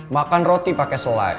makan roti pake selai